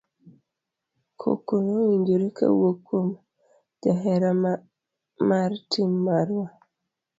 Koko nowinjore kawuok kuom johera mar tim marwa.